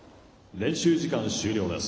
練習時間終了です。